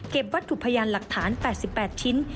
วัตถุพยานหลักฐาน๘๘ชิ้น